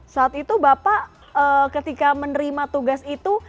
saat itu bapak ketika menerima tugas itu